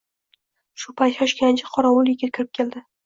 Shu payt shoshganicha qoravul yigit kirib dedi